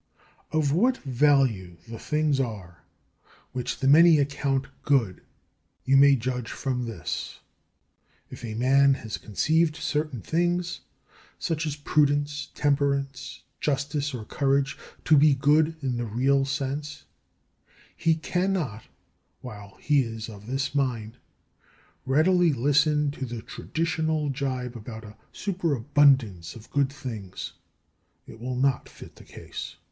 12. Of what value the things are which the many account good you may judge from this: If a man has conceived certain things, such as prudence, temperance, justice, or courage, to be good in the real sense, he cannot, while he is of this mind, readily listen to the traditional gibe about a superabundance of good things. It will not fit the case.